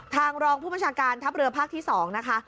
รองผู้บัญชาการทัพเรือภาคที่๒นะคะ